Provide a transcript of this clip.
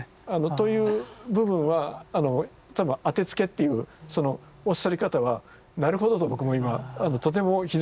という部分は多分当てつけっていうそのおっしゃり方はなるほどと僕も今とても膝を打つ感じです。